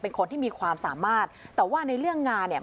เป็นคนที่มีความสามารถแต่ว่าในเรื่องงานเนี่ย